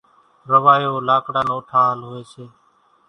راوايو لاڪڙا نو ٺاۿل هوئيَ سي۔